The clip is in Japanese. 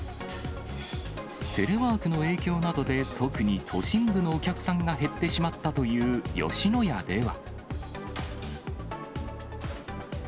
テレワークの影響などで、特に都心部のお客さんが減ってしまったという吉野家では。